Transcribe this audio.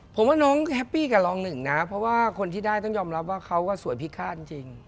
ผมว่าน้องแฮปปี้กับรองหนึ่งนะเพราะว่าคนที่ได้ต้องยอมรับว่าเขาก็สวยพิฆาตจริง